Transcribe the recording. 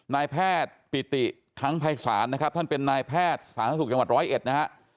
นายแพทย์ปิติทั้งภัยสารนะครับท่านเป็นนายแพทย์สถานทักษะสุขจังหวัด๑๐๑นะครับ